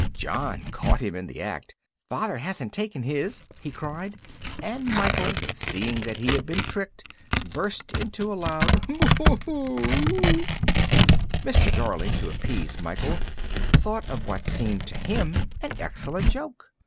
John caught him in the act: "Father hasn't taken his!" he cried, and Michael, seeing that he had been tricked, burst into a loud "Boo hoo oo!" Mr. Darling, to appease Michael, thought of what seemed to him an excellent joke.